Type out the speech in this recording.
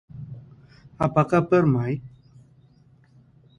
Apa kabar, Mike?